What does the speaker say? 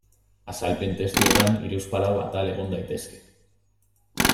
Azalpen testuetan hiruzpalau atal egon daitezke.